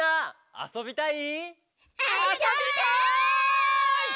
あそびたい！